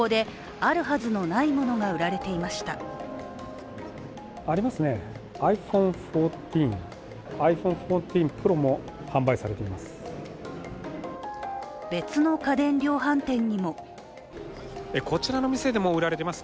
ありますね、ｉＰｈｏｎｅ１４、ｉＰｈｏｎｅ１４Ｐｒｏも販売されています。